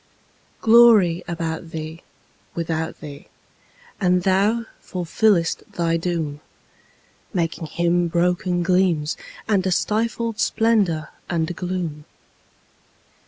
Glory about thee, without thee; and thou fulfillest thy doom, Making Him broken gleams, and a stifled splendour and gloom.